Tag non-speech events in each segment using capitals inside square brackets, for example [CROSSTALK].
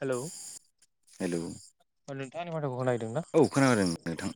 Hello. Hello. नोंथांआ आनि माथोखौ खोनाहैदों ना। औ खोनादों नोंथां।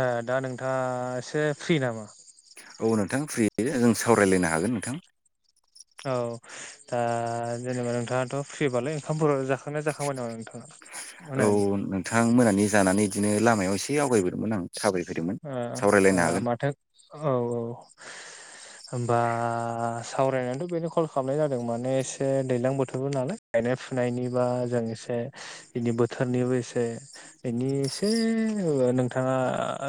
ओ दा नोंथाङा एसे फ्रि नामा? औ नोंथां फ्रि जों सावरायलायनो हागोन नोंथां। औ दा जेनेबा नोंथाङाथ' फ्रिबालाय ओंखामफोराव जाखांनाय जाखांबाय नामा नोंथां। औ नोंथां मोनानि जानानै बिदिनो लामायाव एसे आवगायबोदोंमोन। साबाय फैदोंमोन ओ ओ सावरायलायनो माथो औ औ। होमबा सावरायनायनानैथ' बेनो कल खालामनाय जादों माने एसे दैज्लां बोथोरबो नालाय गायनाय फुनायनिबा जों एसे बेनि बोथोरनिबोसे बेनि एसे नोंथाङा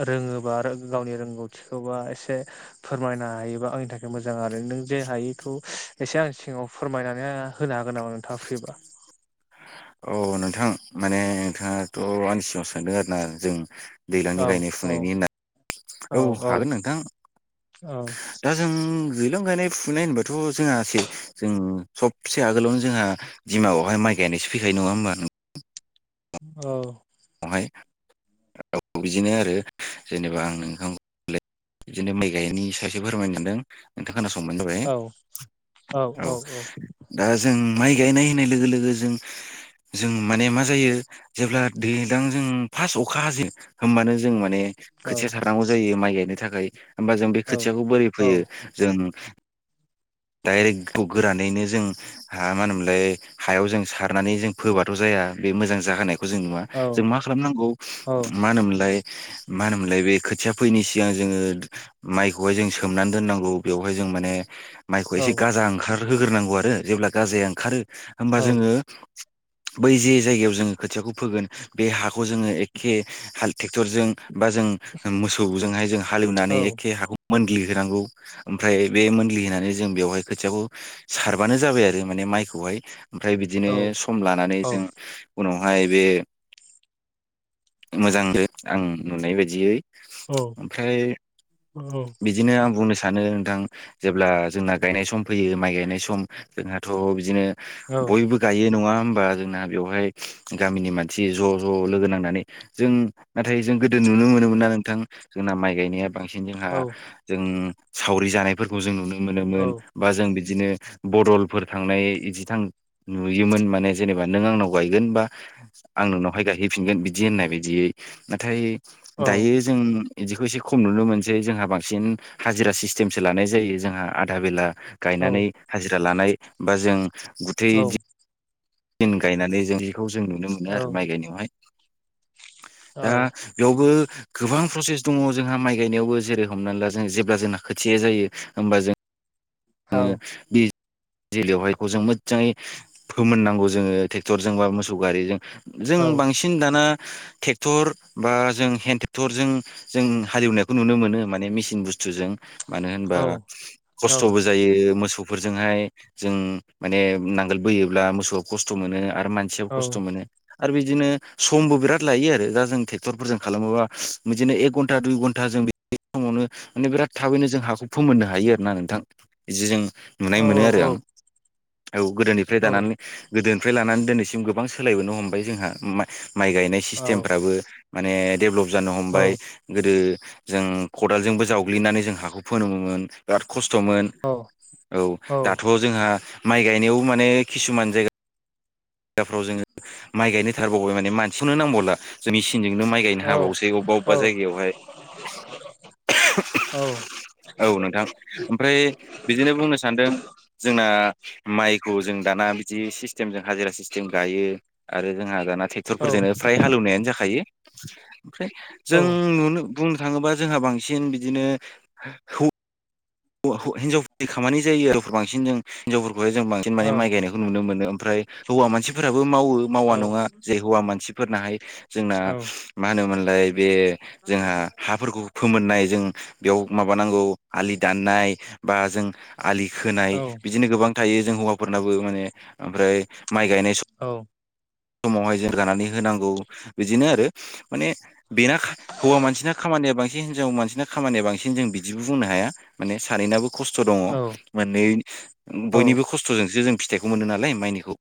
रोङोबा आरो गावनि रोंगौथिखौबा एसे फोरमायनो हायोबा आंनि थाखाय मोजां आरो नों जे हायैखौ एसे आं सिङाव फोरमायनानै होनो हागोन नामा नोंथाङा फ्रिबा औ नोंथां माने नोंथाङाथ' आनि सिङाव सोंदों आरोना जों दैज्लांनि औ गायनाय औ फुनायनि होन औ हागोन नोंथां। औ दा जों दैलां गायनाय फुनाय होनबाथ' जोंहा एसे जों सबसे आगोलावनो जोंहा बिमायाव हाय गायनायसो फैखायो नङा होमबा? औ हाय बिदिनो आरो जेनेबा आं ओंखाम बिदिनो माइ गायनायनि सासे फोरमायनांदों। नोंथां खोनासंबानो जाबाय औ औ दा जों माइ गायनाय होननाय लोगो लोगो जों जों माने मा जायो जेब्ला दैज्लां जों फार्स्ट अखा हाजो होमबानो जों माने खोथिया हारनांगौ जायो माइ गायनो थाखाय होमबा जों बे औ खोथियाखौ बोरै औ फैयो जों डाइरेक्ट गोरानैनो जों हा मा होनोमोनलाय हायाव जों सारनानै जों फोबाथ' जाया बे मोजां जाहोनायखौ जों नुवा औ जों मा खालामनांगौ औ मा होनोमोनलाय मा होनोमोनलाय बे खोथिया फैनि सिगां जोङो माइखौहाय जों सोमनानै दोननांगौ बेवहाय जों माने माइखौ औ एसे गाजा ओंखार होग्रोनांगौ आरो जेब्ला गाजाया ओंखारो होमबा औ जोङो बै जे जायगायाव जोङो खोथियाखौ फोगोन बे हाखौ जोङो एखे हाल ट्रेक्टरजों बा जों मोसौजोंहाय जों हालेवनानै एखे हाखौ मोनग्लि होनांगौ ओमफ्राय बे मोनग्लि होनानै जों बेवहाय खोथियाखौ सारबानो जाबाय आरो माने माइखौहाय ओमफ्राय औ बिदिनो सम लानानै औ जों उनावहाय बे मोजांनो आं नुनाय बायदियै औ ओमफ्राय औ बिदिनो आं बुंनो सानो नोंथां। जेब्ला जोंना गायनाय सम फैयो माइ गायनाय सम जोंहाथ' बिदिनो औ बयबो गायो नङा होमबा जोंना बेवहाय गामिनि मानसि ज' ज' लोगो नांनानै जों नाथाय जों गोदो नुनो मोनोमोना नोंथां जोंना माइ गायनाया बांसिन जोंहा जों सावरि जानायफोरखौ जों नुनो मोनोमोन। बा जों बिदिनो बदलफोर थांनाय बिदि थां नुयोमोन माने जेनेबा नों आंनाव गायगोन बा आं नोंनावहाय गायहैफिनगोन बिदि बिदि होननाय बायदियै नाथाय दायो। जों बिदिखौ एसे खम नुनो मोनसै जोंहा बांसिन हाजिरा सिस्टेमसो लानाय जायो जोंहा आधा बेला गायनानै हाजिरा लानाय बा जों गुथाइ दिन गायनानै जों बेखौ जों नुनो मोनो आरो माइ गायनायावहाय दा बेयावबो गोबां प्रसेस दङ जोंहा माइ गायनायावबो जेरै हमनानै ला जों जेब्ला जोंना खोथिया जायो होमबा जों ओ बे जलयावहायखौ जों मोजाङै फोमोननांगौ जोङो ट्रेक्टरजों बा मोसौ गारिजों जों बांसिन दाना ट्रेक्टर बा जों हेन्द ट्रेक्टरजों जों हालेवनायखौ नुनो मोनो माने मेसिन बुस्थुजों मानो होनबा औ खस्थ'बो जायो मोसौफोरजोंहाय जों माने नांगोल बोयोब्ला मोसौआ खस्थ' मोनो आरो मानसियाबो खस्थ' मोनो। आरो बिदिनो समबो बिराद लायो आरो दा जों ट्रेक्टरफोरजों खालामोबा बिदिनो एक घन्टा दुइ घन था जों बे समावनो माने बिराद थाबैनो जों हाखौ फोमोननो हायो आरो ना नोंथां बिदि जों नुनाय मोनो आरो आं औ गोदोनिफ्राय दानानै गोदोनिफ्राय लानानै दिनैसिम गोबां सोलायबोनो हमबाय जोंहा माइ माइ गायनाय सिस्टेमफ्राबो। माने डेभलप जानो हमबाय। गोदो जों खदालजोंबो जावग्लिनानै जों हाखौ फोनोमोमोन बिराद खस थ'मोन औ दाथ' जोंहा माइ गायनायाव माने किसुमान जायगा फ्राव जोङो माइ गायनोथारबावबाय माने मानसिखौनो नांबावला। जों मिसिनजोंनो माइ गायनो हाबावोसो अबा अबा जायगायावहाय औ। औ नोंथां ओमफ्राय बिदिनो बुंनो सानदों। जोंना माइखौ जों दाना बिदि सिस्टेमजों हाजिरा सिस्टेम गायो। आरो जोंहा दाना ट्रेक्टरफोरजोंनो फ्राय हालेवनायानो जाखायो ओमफ्राय जों नुनो बुंनो थाङोबा जोंहा बांसिन बिदिनो हौ वा हिनजावफोरनि खामानि जायो हौवाफोर बांसिन जों हिनजावफोरखौहाय जों बांसिन माने माइ गायनाय नुनो मोनो ओमफ्राय हौवा मानसिफोराबो मावो मावा नङा जाय हौवा मानसिफोरनाहाय जोंना मा होनोमोनलाय बे जोंहा हाफोरखौ फोमोननाय जों बेयाव माबानांगौ आलि नाय बा जों आलि खोनाय बिदिनो गोबां थायो जों हौवाफोरनाबो माने ओमफ्राय माइ गायनाय स औ। समावहाय जों रानानै होनांगौ बिदिनो आरो माने बेना हौवा मानसिना खामानिया बांसिन हिनजाव मानसिना खामानिया बांसिन जों बिदिबो बुंनो हाया। माने सानैनाबो खस्थ' दङ मानै बयनिबो खस फोरजोंसो जों फिथाइखौ मोनो नालाय माइनिखौ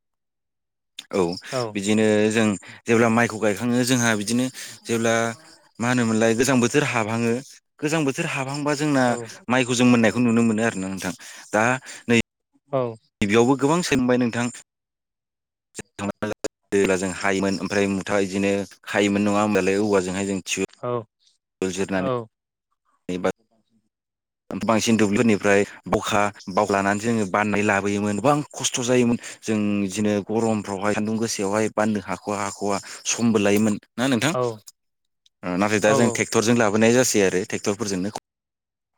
औ औ। बिदिनो जों जेब्ला माइखौ गायखाङो जोंहा बिदिनो जेब्ला मा होनोमोनलाय गोजां बोथोर हाबहाङो गोजां बोथोर हाबहांबा जोंना जों मोननायखौ नुनो मोनो आरोना नोंथां दा नै औ। गिबियावबो गोबां सोंबाय नोंथां [UNINTELLIGIBLE] दोला जों हायोमोन ओमफ्राय मुथा इदिनो हायोमोन नङा होमबालाय औवाजोंहाय जों थिउ औ [UNINTELLIGIBLE] जिरनानै बा [UNINTELLIGIBLE] बांसिन दुब्लिनिफ्राय बखा बावलानानै जोङो बाननाय लाबोयोमोन गोबां खस्थ' जायोमोन जों इदिनो गरमफ्रावहाय सान्दुं गोसायावहाय बाननो हाख'वा हाख'वा समबो लायोमोन ना नोंथां ओ नाथाय दा जों ट्रेक्टरजों लाबोनाय जासै आरो ट्रेक्टरफोरजोंनो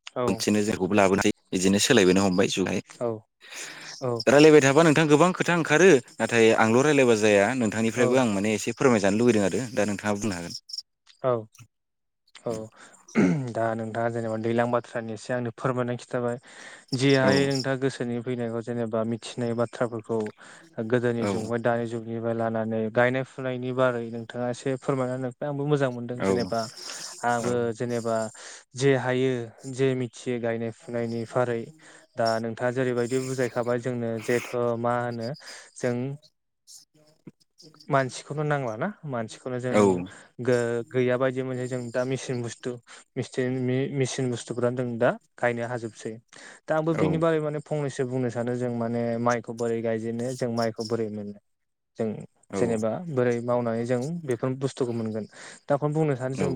औ औ मोनसेनो जोंखौबो लाबोनोसै बिदिनो सोलायबोनो हमबाय औ औ [UNINTELLIGIBLE] रायलायबाय थाबा नोंथां गोबां खोथा ओंखारो नाथाय आंल' रायलायबा जाया नोंथांनिफ्रायबो औ आं माने एसे फोरमायजानो लुुबैदों आरो दा नोंथाङा बुंनो हागोन औ औ [UNINTELLIGIBLE] दा नोंथाङा जेनेबा दैलां बाथ्रानि एसे आंनो फोरमायनानै खिथाबाय जि हायो हागोन नोंथाङा गोसोनि फैनायखौ जेनेबा मिथिनाय बाथ्राफोरखौ गोदोनि औ औ जुगमोन दानि जुगनिफ्राय लानानै गायनाय फुनायनि बारै नोंथाङा एसे फोरमायना होनायखाय आंबो मोजां औ उम औ मोन्दों जेनेबा आबो जेनेबा जे हायो जे मिथियो गायनाय फुनायनि फारै दा नोंथाङा जेरैबायदि बुजायखाबाय जोंनो जेथ' मा होनो जों [INAUDIBLE] मानसिखौनो नांलाना मानसिखौनो जों गो गैया बायदि मोनहै जों दा मेचिन बुस्थु मिसिन मि-मेसिन बुस्थुफोरानो जों दा गायनो हाजोबसै‌। दा आंबो बिनि बारै माने फंनैसो बुंनो सानो जों माने माइखौ बोरै गायजेनो जों माइखौ बोरै मोनो। जों जेनेबा बोरै मावनानै जों बेफोर बुस्थुखौ मोनगोन। दा बेखौनो बुंनो सानो जों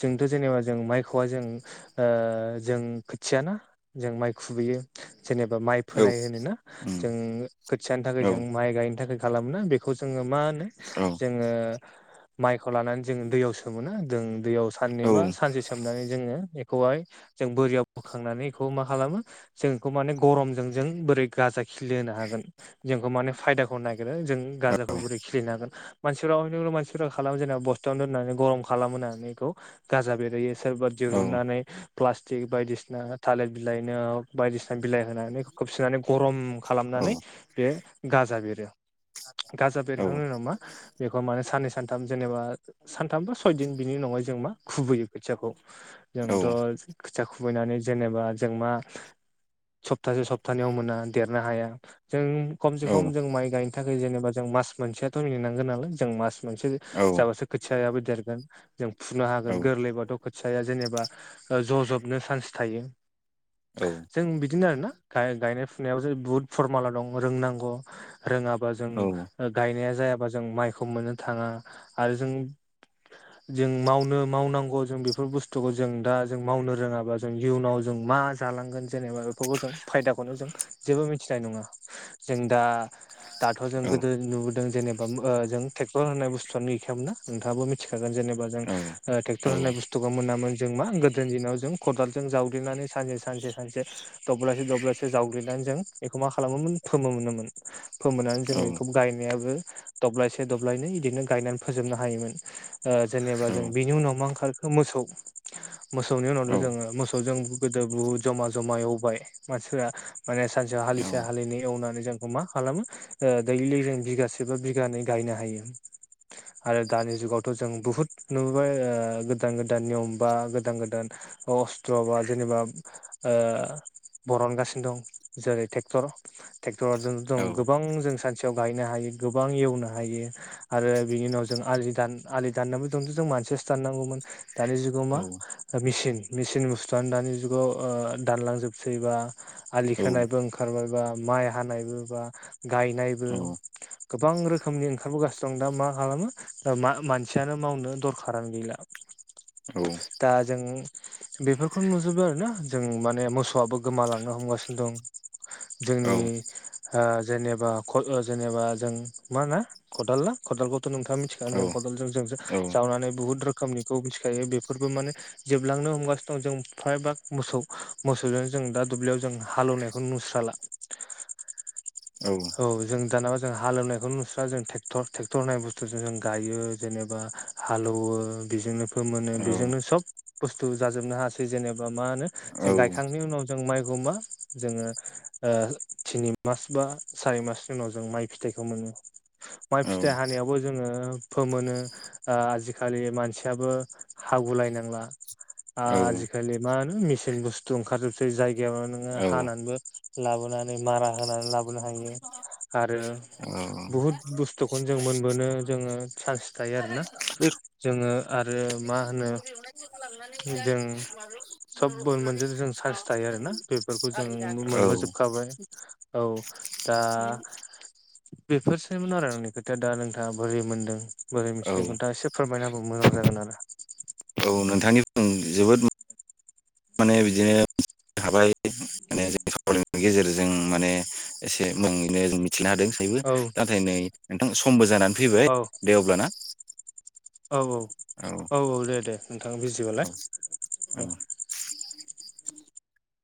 जोंथ' जेनेबा जों माइखौआ जों ओ जों खोथियाना जों माइ खुबैयो। जेनेबा माइ फोनाय होनोना जों खोथियाानि थाखाय जों माइ गायनो थाखाय खालामोना बेख खौ जोङो मा होनो जोङो माइखौ लानानै जो दैयाव सोमोना जों दैयाव साननै बा सानसे सोमनानै जोङो बेखौहाय जों बोरियाव बोखांनानै बेखौ मा खालामो जों बेखौ माने गरमजों जों बोरै गाजा खिलि होनो हागोन। जोंखौ माने फायदाखौ नागिरो जों गाजाखौ बोरै खिलिनो हागोन मानसिफोराव अनेक अनेक मानसिफोरा खालाम जेनेबा बस्थ थायावनो दोननानै गरम खालाम होनानै बेखौ गाजा बेरहोयो सोरबा दिरुननानै प्लास्टिक बायदिसिना थालिर बिलाइनो बायदिसिना बिलाइ होनानै खोबसिनानै गरम खालामनानै बे गाजा बेरो। गाजा बेरखांनायनि उनाव मा बेखौ माने साननै सानथाम जेनेबा सानथाम बा सयदिन बिनि उनावहाय जों मा खुबैयो खोथियाखौ जोंथ' खोथिया खुबैनानै जेनेबा जों मा सप्तासे सप्तानैयाव मोना देरनो हाया जों खमसे खम जों माइ गायनो थाखाय जेनेबा जों मास मोनसेयाथ' मिेनांगोन नालाय जों मास मोनसे जाबासो खोथियायाबो देरगोन जों फुनो हागोन गोरलैबाथ' खोथियाया जेनेबा ज'जबनो चान्स थायो। औ। जों बिदिनो आरोना गा-गायनाय फुनायाव जों बुहुत फरमुला दं रोंनांगौ। रोङाबा जों ओ गायनाया जायाबा जों माइखौ मोननो थाङा आरो जों [INAUDIBLE] जों मावनो मावनांगौ जों बेफोर बुस्थुखौ जों दा जों मावनो रोङाबा जों इयुनाव जों मा जालांगोन जेनेबा बेफोरखौ जों फायदाखौनो जों जेबो मिथिनाय नङा। जों दा दाथ' जों गोदो नुबोदों जेनेबा ओ जों ट्रेक्टर होनाय बुस्थुआनो गैखायामोना नोंथाङाबो मि थिखागोन जेनेबा जों टेक्टर होननाय औ बुस्थुखौ मोनामोन जों मा गोदनि दिनाव जों खदालजों जावग्लिनानै सानसे सानसे सानसे दब्लासे दब्लासे जावग्लिनानै जों बेखौ मा खालामोमोन फोमोम मोनोमोन फोमोननानै जोङो बेखौ गायनायाबो दब्लायसे दब्लायनै बिदिनो गायनानै फोजोबनो हायोमोन। ओ जेनेबा जों बिनि उनाव मा ओंखारखो मोसौ। मोसौनि उनावथ' जोङो मोसौजों गोदो बुद जमा जमा एवबाय मानसिफ्रा माने सानसेयाव हालिसे हालिनै एवनानैबो खौ मा खालामो दैलि जों बिगासे बा बिगानै गायनो हायो। आरो दानि जुगावथ' जों बुहुद नुबोबाय ओ गोदान गोदान नियम बा गोदान गोदान अस्थ्र' बा जेनेबा ओ बरनगासिनो दं जेरै ट्रेक्टर। ट्रेक्टरजों जों गोबां जों सानस सेयाव गायनो हायो गोबां एवनो हायो आरो बिनि उनाव जों आलि दान आलि दाननानैबो दंथ' जों मानसियासो दाननांगौमोन दानि जुगाव मा मेसिन मिसिन बुस्थुआनो दानि जुगाव दानलांजोबसै बा आलि खोनायबो ओंखार ओंखारबाय बा माइ हानायबो बा गायनायबो गोबां रोखोमनि ओंखारबोगासिनो। दं दा मा खालामो मानसियानो मावनो दरखारानो गैला। औ। दा जों बेफोरखौनो नुजोबो आरोना जों माने मोसौआबो गोमालांनो हमगासिनो दं। जोंनि जेनेबा जेनेबा जों मा ना खदाल ना खदालखौथ' नोंथां। सिखा जों औ खदलजों जों जावनानै बुहुत रोखोमनिखौ सिखाया बेफोरबो माने। जोबलांनो हमगासिनो दं जों फ्रायभाग मोसौ मोसौजों जों दा दुब्लियाव जों। हालेवनायखौ नुस्राला। औ। औ जों दानाबा जों हालेवनायखौ नुस्रा जोंट्रेक्टर ट्रेक्टर होन बुथुजों जों। गायो जेनेबा हालौवो बेजोंनो फ मोनो बेजोंनो सब। बुस्थु जाजोबनो हायासै जेनेबा मा होनो जों गायखांनायनि उनाव। जों माइ खौव जोंङो थिनि मास बा सारि मासनि उनाव जों माइ। फिथाइखौ मोनो माइ फिथाइ हानायावबो जोंङो। फोमो आजिखालि मानसियाबो हागु लायनांला। आजिखालि मा होनो मेसिन बुस्थु ओंखारजोबसै जायगायाव नोंङो हानानैल'। लाबोनानै मारा होनानै लाबोना नै। ह बुहु बुु मोनो ज। बे। जोंङो आरो। मा होनो लांनानै ज' जों मार। सब मोनजो जों चान्स थायो आरोना बेफोरखौ जों मोनबोजोबखाबाय। औ दा। बेफोरसनि आरो आंनि खोथाया दा नोंथांङा बोरै मोन्दों बोरै औ मिथिनाय औ खोनथा दा सोब। फोरमाय बा मोजां जागोन आरो। औ नोंथांनि जोबोद। माने बिदिनो मिथिनो हाबाय माने जों सावनायनि गेजेरजों माने। एसे मोनो जों मिथिनो हादों गैयाबो औ नाथाय नै नोंथां समबो जानानै फैबाय। दे अब्ला ना। औ औ औ औ दे दे नोंथांङा औ बिजिबालाय ओं औ।